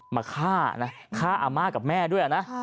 มาฆ่านะฆ่าอาม่ากับแม่ด้วยนะ